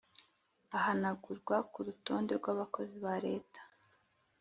Ahanagurwa ku rutonde rw abakozi ba leta